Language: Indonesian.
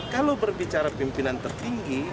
kalau berbicara pimpinan tertinggi